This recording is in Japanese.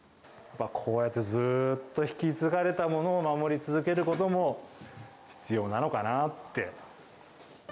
こうやってずっと引き継がれたものを守り続けることも、必要なのかなって。